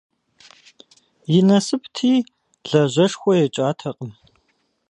И насыпти, лажьэшхуэ екӀатэкъым.